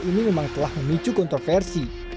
ini memang telah memicu kontroversi